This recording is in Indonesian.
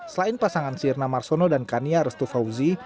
selain pasangan sirna marsono dan kania restu fauzi